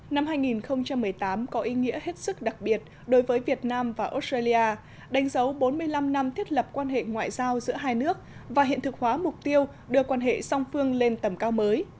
năm hai nghìn một mươi tám có ý nghĩa hết sức đặc biệt đối với việt nam và australia đánh dấu bốn mươi năm năm thiết lập quan hệ ngoại giao giữa hai nước và hiện thực hóa mục tiêu đưa quan hệ song phương lên tầm cao mới